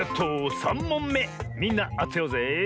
３もんめみんなあてようぜえ。